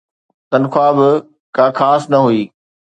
تنخواه به ڪا خاص نه هئي.